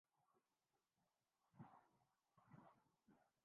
ہاتھ کنگن کو آرسی کیا اور پڑھے لکھے کو فارسی کیا